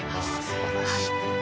すばらしい。